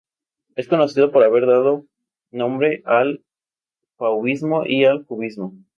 Es conocido por haber dado nombre al Fauvismo y al Cubismo.